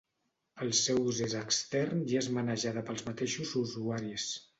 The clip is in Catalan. El seu ús és extern i és manejada pels mateixos usuaris.